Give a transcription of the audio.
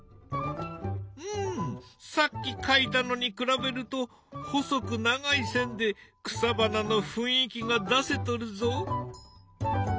うんさっき描いたのに比べると細く長い線で草花の雰囲気が出せとるぞ。